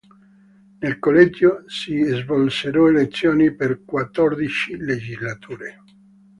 Nel collegio si svolsero elezioni per quattordici legislature.